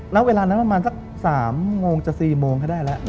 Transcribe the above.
แล้วเวลานั้นประมาณสัก๓โมงจะ๔โมงก็ได้แล้ว